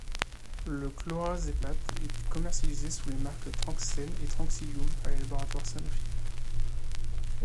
Le clorazépate est commercialisé sous les marques Tranxène et Tranxilium par les laboratoires Sanofi.